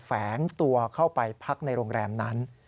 แฝงตัวเข้าไปพักในโรงแรมนั้น